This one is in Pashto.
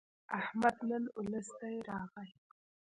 احمد نن الستی راغی.